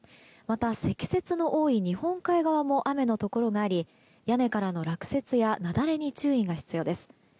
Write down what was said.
また、積雪の多い日本海側も雨のところがあり屋根からの落雪や雪崩に注意が必要です。